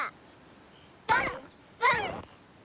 パンパン！